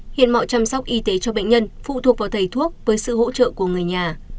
hiện mọi chăm sóc y tế cho bệnh nhân phụ thuộc vào thầy thuốc với sự hỗ trợ của người nhà